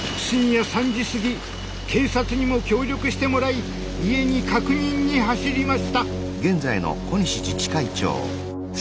深夜３時すぎ警察にも協力してもらい家に確認に走りました。